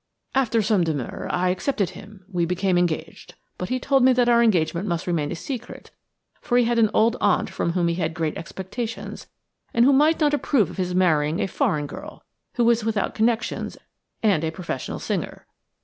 After some demur, I accepted him; we became engaged, but he told me that our engagement must remain a secret, for he had an old aunt from whom he had great expectations, and who might not approve of his marrying a foreign girl, who was without connections and a professional singer.